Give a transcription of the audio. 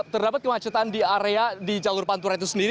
terdapat kemacetan di area di jalur pantura itu sendiri